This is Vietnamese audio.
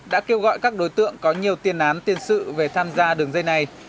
đã kêu gọi các đối tượng có nhiều tiền án tiền sự về tham gia đường dây này